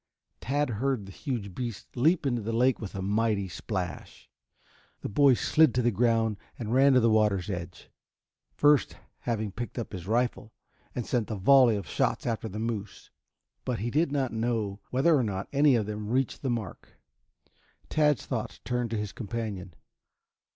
Tad heard the huge beast leap into the lake with a mighty splash. The boy slid to the ground and ran to the water's edge, first having picked up his rifle, and sent a volley of shots after the moose, but he did not know whether or not any of them reached the mark. Tad's thoughts turned to his companion.